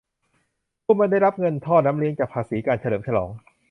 พวกมันได้รับเงินท่อน้ำเลี้ยงจากภาษีการเฉลิมฉลอง